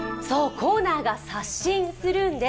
コーナーが刷新するんです。